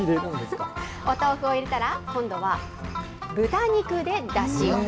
お豆腐を入れたら、今度は豚肉でだしを。